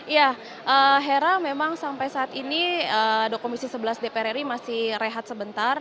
ya hera memang sampai saat ini komisi sebelas dpr ri masih rehat sebentar